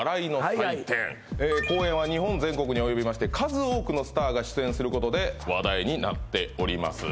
はい公演は日本全国に及びまして数多くのスターが出演することで話題になっております